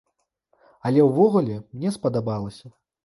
Але ўвогуле, мне спадабалася.